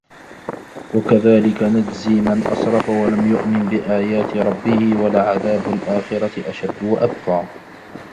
وَكَذَلِكَ نَجْزِي مَنْ أَسْرَفَ وَلَمْ يُؤْمِنْ بِآيَاتِ رَبِّهِ وَلَعَذَابُ الْآخِرَةِ أَشَدُّ وَأَبْقَى